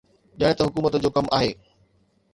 ڄڻ ته حڪومت جو ڪم آهي.